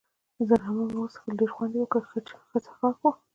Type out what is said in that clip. رم مو وڅښل، ډېر ښه خوند يې وکړ، چې ښه څښاک وو.